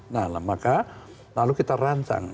nah maka lalu kita rancang